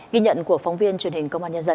ghi nhận của phóng viên truyền hình công an nhân dân